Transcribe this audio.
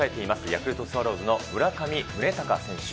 ヤクルトスワローズの村上宗隆選手。